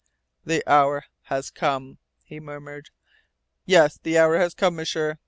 "The hour has come " he murmured. "Yes, the hour has come, M'sieur!"